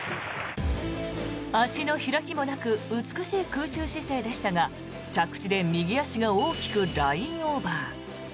足の開きもなく美しい空中姿勢でしたが着地で右足が大きくラインオーバー。